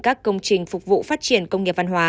các công trình phục vụ phát triển công nghiệp văn hóa